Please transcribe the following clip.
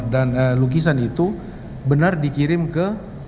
dan lukisan itu benar dikirim ke